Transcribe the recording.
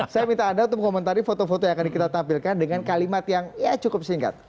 saya minta anda untuk mengomentari foto foto yang akan kita tampilkan dengan kalimat yang ya cukup singkat